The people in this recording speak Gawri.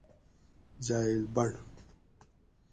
جائیلبنڑ